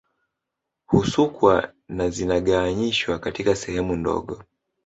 Husukwa na zinagawanyishwa katika sehemu ndogo